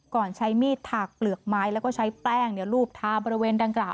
ใช้มีดถากเปลือกไม้แล้วก็ใช้แป้งรูปทาบริเวณดังกล่าว